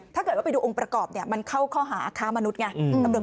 ถ้าเกิดว่าไปดูองค์ประกอบเนี่ยมันเข้าข้อหาค้ามนุษย์ไง